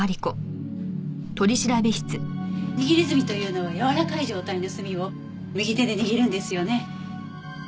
握り墨というのは柔らかい状態の墨を右手で握るんですよね。